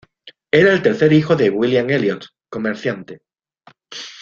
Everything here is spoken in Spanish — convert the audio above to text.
Era el tercer hijo de William Elliott, comerciante.